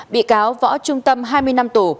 bị cáo võ trung tâm hai mươi năm tủ